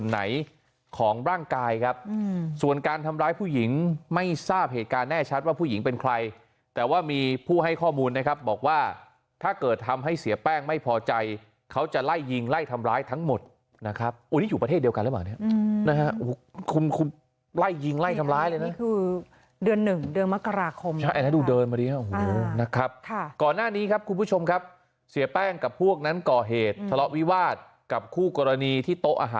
หญิงเป็นใครแต่ว่ามีผู้ให้ข้อมูลนะครับบอกว่าถ้าเกิดทำให้เสียแป้งไม่พอใจเขาจะไล่ยิงไล่ทำร้ายทั้งหมดนะครับวันนี้อยู่ประเทศเดียวกันแล้วเหมือนกันนะครับคุณคุณไล่ยิงไล่ทำร้ายเลยนะเดือนหนึ่งเดือนมกราคมนะครับก่อนหน้านี้ครับคุณผู้ชมครับเสียแป้งกับพวกนั้นก่อเหตุทะเลาะวิวาสกับคู่กรณีที่โต๊ะ